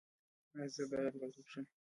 ایا زه باید غریب شم؟